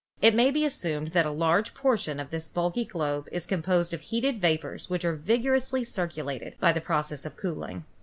It may be assumed that a large proportion of this bulky globe is composed of heated vapors which are vigorously circulated by the process of cooling.